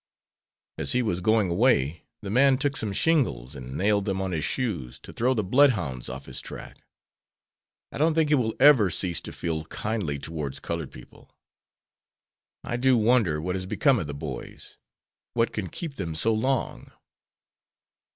As he was going away the man took some shingles and nailed them on his shoes to throw the bloodhounds off his track. I don't think he will ever cease to feel kindly towards colored people. I do wonder what has become of the boys? What can keep them so long?"